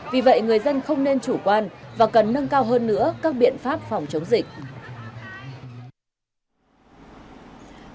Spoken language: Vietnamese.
vì vậy người dân không nên chủ quan và cần nâng cao hơn nữa các biện pháp phòng chống dịch